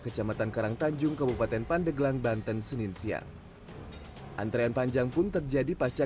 kecamatan karangtanjung kabupaten pandeglang banten senin siang antrean panjang pun terjadi pasca